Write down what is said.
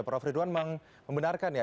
prof ridwan membenarkan ya